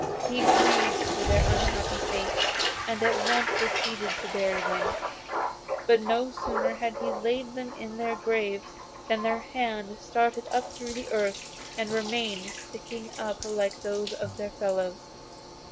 He grieved for their unhappy fate, and at once proceeded to bury them; but no sooner had he laid them in their graves, than their hands started up through the earth and remained sticking up like those of their fellows.